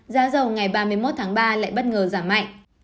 giá dầu ngày ba mươi một tháng ba lại bất ngờ giảm mạnh